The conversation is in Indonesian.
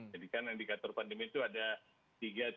jadi kan indikator pandemi itu ada tiga